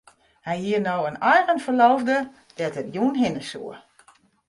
Hy hie no in eigen ferloofde dêr't er jûn hinne soe.